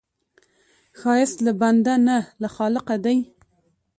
ښایست له بنده نه، له خالقه دی